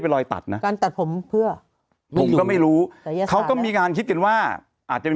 เป็นรอยตัดนะการตัดผมเพื่อผมก็ไม่รู้แต่ยังไงเขาก็มีการคิดกันว่าอาจจะเป็น